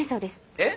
えっ？